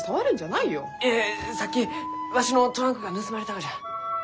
いやさっきわしのトランクが盗まれたがじゃ。